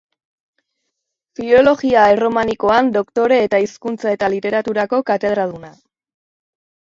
Filologia erromanikoan doktore eta hizkuntza eta literaturako katedraduna.